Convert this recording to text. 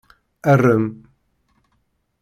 Arem.